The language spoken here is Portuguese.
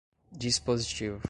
dispositivo